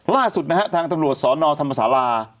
ล่าสุดนะฮะทางตำรวจสนธรรมศาลา